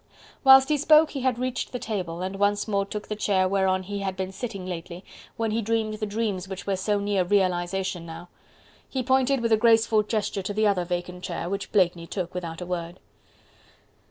Whilst he spoke he had reached the table and once more took the chair whereon he had been sitting lately, when he dreamed the dreams which were so near realization now. He pointed with a graceful gesture to the other vacant chair, which Blakeney took without a word.